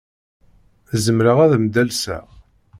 Zemreɣ ad am-d-alseɣ?